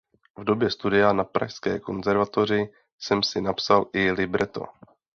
V době studia na pražské konzervatoři jsem si napsal i libreto.